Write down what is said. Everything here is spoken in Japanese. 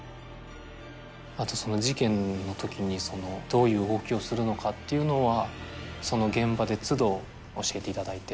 あと事件のときにどういう動きをするのかってその現場で都度教えていただいて。